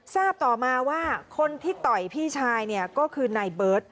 ทราบต่อมาว่าคนที่ต่อยพี่ชายเนี่ยก็คือนายเบิร์ต